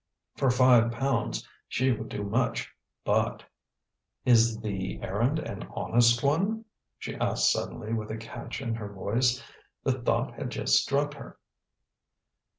For five pounds she would do much, but "Is the errand an honest one?" she asked suddenly with a catch in her voice. The thought had just struck her.